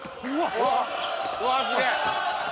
うわすげぇ！